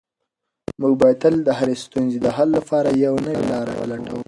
موږ باید تل د هرې ستونزې د حل لپاره یوه نوې لاره ولټوو.